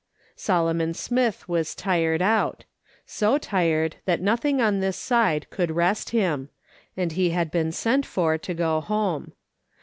Solomon Smith was tired out ; so tired that no thing on this side could rest him, and he had been sent for to go home.